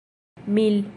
mil